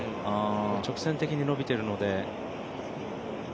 直線的にのびてるので。